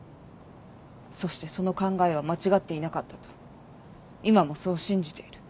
そしてその考えは間違っていなかったと今もそう信じている。